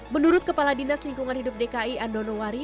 menurut kepala dinas lingkungan hidup dki andonowari